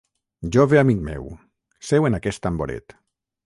Jove amic meu, seu en aquest tamboret.